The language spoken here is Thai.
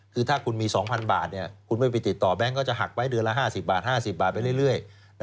คือถ้าคุณมี๒๐๐บาทคุณไม่ไปติดต่อแบงค์ก็จะหักไว้เดือนละ๕๐บาท๕๐บาทไปเรื่อย